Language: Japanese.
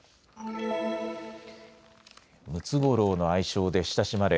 ムツゴロウの愛称で親しまれ